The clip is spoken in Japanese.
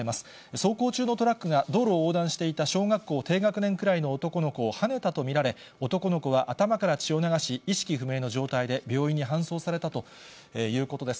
走行中のトラックが、道路を横断していた小学校低学年くらいの男の子をはねたと見られ、男の子は頭から血を流し、意識不明の状態で病院に搬送されたということです。